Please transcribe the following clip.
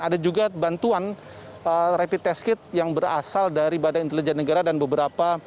ada juga bantuan rapid test kit yang berasal dari badan intelijen negara dan beberapa